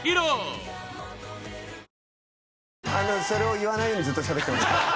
それを言わないようにずっとしゃべってました。